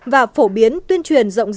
và phổ biến tuyên truyền rộng rãi các quy định